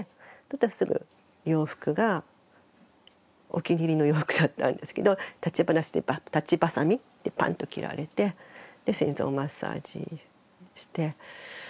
すぐ洋服がお気に入りの洋服だったんですけど裁ちばさみでパンと切られてで心臓マッサージして。